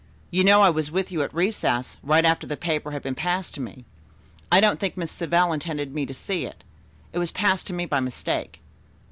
"You know I was with you at recess, right after the paper had been passed to me. I don't think Miss Savell intended me to see it. It was passed to me by mistake."